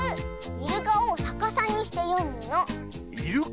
イルカをさかさにしてよむ。